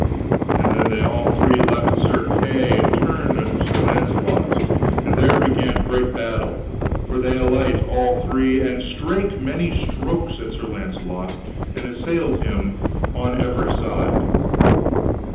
And then they all three left Sir Kay, and turned unto Sir Launcelot, and there began great battle, for they alight all three, and strake many strokes at Sir Launcelot, and assailed him on every side.